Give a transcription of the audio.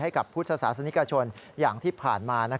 พุทธศาสนิกชนอย่างที่ผ่านมา